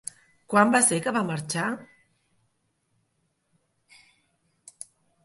Quan va ser que va marxar?